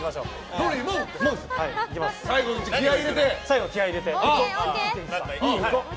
最後気合い入れて！